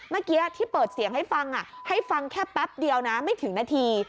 เมื่อกี้ที่เปิดเสียงให้ฟังให้ฟังแค่แป๊บเดียวนะไม่ถึงนาที